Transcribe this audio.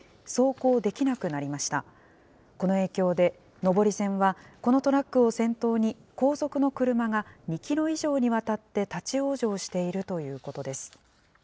この影響で、上り線はこのトラックを先頭に後続の車が２キロ以上にわたって立往生しているということです。